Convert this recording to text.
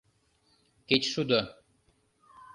— Кечшудо.